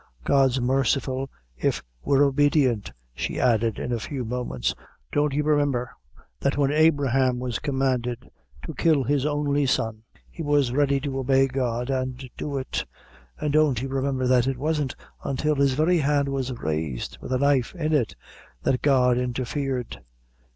"God's merciful, if we're obedient," she added, in a few moments; "don't you remember, that when Abraham was commanded to kill his only son, he was ready to obey God, and do it; and don't you remember that it wasn't until his very hand was raised, with the knife in it, that God interfered.